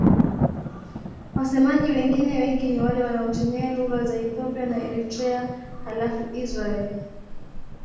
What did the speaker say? Wasemaji wengine wengi ni wale wanaotumia lugha za Ethiopia na Eritrea halafu Israel.